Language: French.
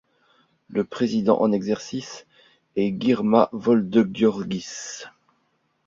Le président en exercice est Girma Wolde-Giorgis.